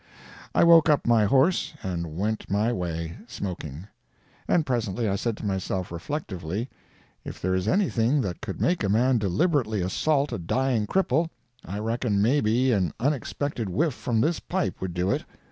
I woke up my horse and went my way, smoking. And presently I said to myself reflectively, "If there is anything that could make a man deliberately assault a dying cripple, I reckon maybe an unexpected whiff from this pipe would do it."